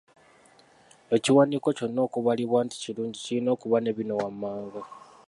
Ekiwandiiko kyonna okubalibwa nti kirungi kirina okuba ne bino wammanga;